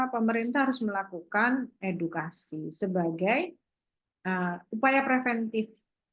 pemerintah harus melakukan edukasi sebagai upaya preventif